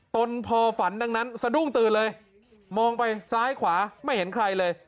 นพอฝันดังนั้นสะดุ้งตื่นเลยมองไปซ้ายขวาไม่เห็นใครเลย